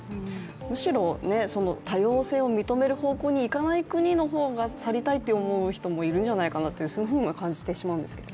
むしろ多様性を認める方向にいかない国の方が去りたいと思う人もいるんじゃないかなってそういうふうに感じてしまうんですけどね。